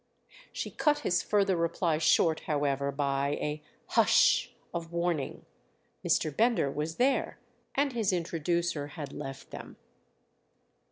She cut his further reply short, however, by a "Hush!" of warning—Mr. Bender was there and his introducer had left them.